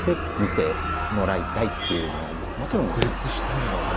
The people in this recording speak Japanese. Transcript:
自分は独立したんだじゃあ。